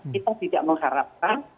kita tidak mengharapkan